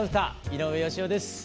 井上芳雄です。